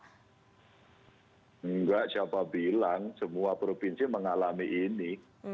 enggak siapa bilang semua provinsi mengalami ini